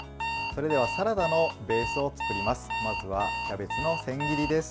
それではサラダのベースを作ります。